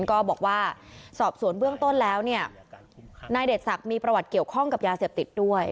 ก็บอกว่าสอบสวนเบื้องต้นแล้วเนี่ยนายเดชศักดิ์มีประวัติเกี่ยวข้องกับยาเสพติดด้วย